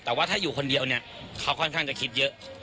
แต่ว่าถ้าอยู่คนเดียวเนี่ยเขาค่อนข้างจะคิดเยอะ